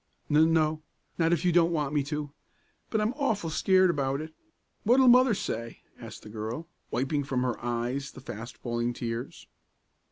"N no, not if you don't want me to, but I'm awful scared about it. What'll Mother say?" asked the girl, wiping from her eyes the fast falling tears.